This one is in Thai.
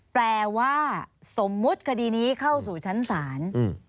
แปลว่าสมมุติคดีนี้เข้าสู่ชั้นศาล